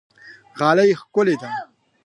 غالۍ ښکلې ده.